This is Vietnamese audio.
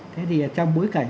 thế thì trong bối cảnh